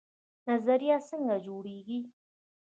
نظریه څنګه جوړیږي؟